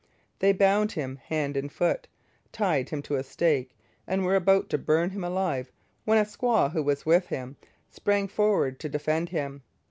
They bound him hand and foot, tied him to a stake, and were about to burn him alive when a squaw who was with him sprang forward to defend him.